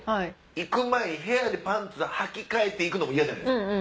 行く前部屋でパンツはき替えて行くのも嫌じゃないですか。